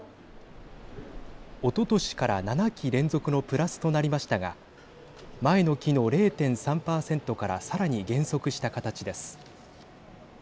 おととしから７期連続のプラスとなりましたが前の期の０．３％からさらに減速した形です。